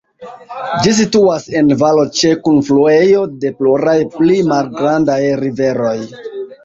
Ĝi situas en valo ĉe kunfluejo de pluraj pli malgrandaj riveroj.